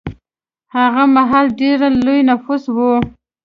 هغه مهال ډېر لوی نفوس و.